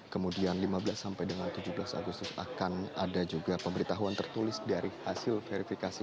kemudian lima belas sampai dengan tujuh belas agustus akan ada juga pemberitahuan tertulis dari hasil verifikasi